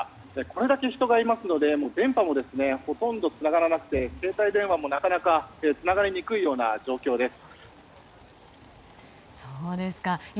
これだけ人がいますので電波もほとんどつながらなくて携帯電話もなかなかつながりにくいような状況です。